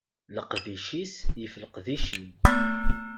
Leqdic-is yif leqdic-iw.